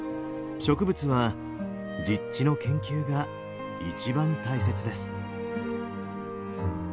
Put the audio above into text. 「植物は実地の研究が一番大切です」。